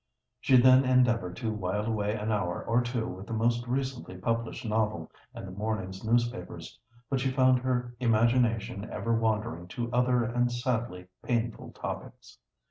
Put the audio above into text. She then endeavoured to while away an hour or two with the most recently published novel and the morning's newspapers; but she found her imagination ever wandering to other and sadly painful topics.